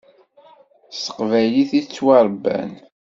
S teqbaylit i ttwaṛebban.